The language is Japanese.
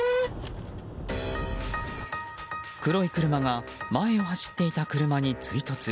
黒い車が前を走っていた車に追突。